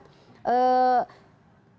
kemenangan itu ada